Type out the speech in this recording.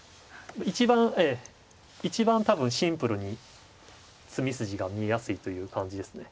一番ええ一番多分シンプルに詰み筋が見えやすいという感じですね。